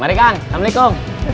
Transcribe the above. mari kang assalamualaikum